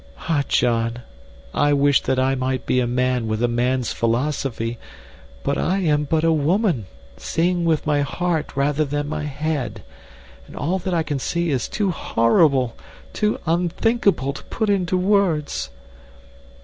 "Ah, John, I wish that I might be a man with a man's philosophy, but I am but a woman, seeing with my heart rather than my head, and all that I can see is too horrible, too unthinkable to put into words.